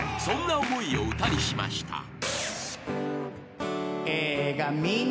［そんな思いを歌にしました］